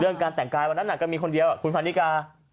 เรื่องการแต่งกายทั้งหลับนั้นมีคนเดียวคุณพนิกา